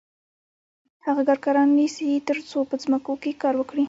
هغه کارګران نیسي تر څو په ځمکو کې کار وکړي